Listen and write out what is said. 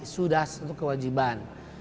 sudah satu kewajiban